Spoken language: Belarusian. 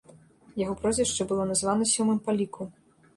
Яго прозвішча было названа сёмым па ліку.